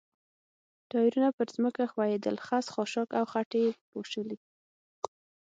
ټایرونه پر ځمکه ښویېدل، خس، خاشاک او خټې یې پاشلې.